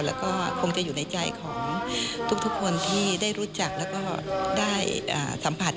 แล้วก็คงจะอยู่ในใจของทุกคนที่ได้รู้จักแล้วก็ได้สัมผัส